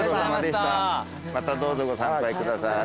またどうぞご参拝ください。